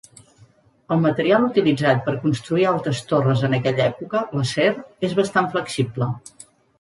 El material utilitzat per construir altes torres en aquella època, l'acer, és bastant flexible.